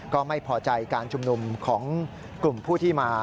ก็ไม่พอใจการชุมนุมของกลุ่มผู้ที่มา